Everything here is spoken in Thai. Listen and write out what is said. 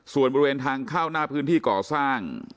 ส่วนบริเวณทางเข้าหน้าพื้นที่ก่อสร้าง